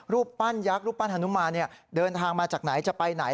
รูปปั้นยักษ์รูปปั้นฮานุมานเดินทางมาจากไหนจะไปไหน